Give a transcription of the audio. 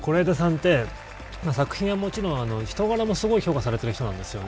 是枝さんって、もちろん人柄も評価されているんです。